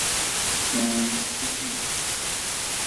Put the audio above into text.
বাবা মায়ের ব্যস্ততার সীমা নেই।